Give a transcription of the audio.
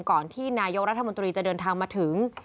ก่อนที่นายกรัฐมนตรีจะเดินทางมาถึง